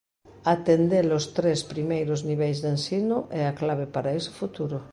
Atender os tres primeiros niveis de ensino é a clave para ese futuro.